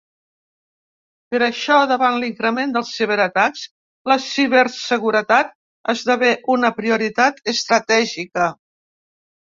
Per això, davant l’increment dels ciberatacs, la ciberseguretat esdevé una prioritat estratègica.